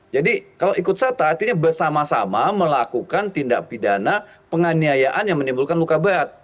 kalau ikut serta artinya bersama sama melakukan tindak pidana penganiayaan yang menimbulkan luka berat